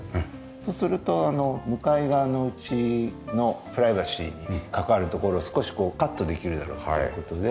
そうすると向かい側の家のプライバシーに関わるところを少しこうカットできるだろうという事で。